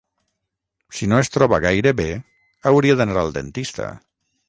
Si no es troba gaire bé hauria d'anar al dentista.